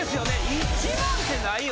１万ってないよ。